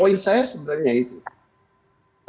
poin saya sebenarnya itu